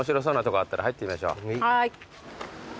はい。